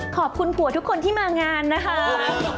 ขอบคุณผัวทุกคนที่มางานนะคะ